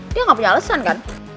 dia nggak punya alasan kan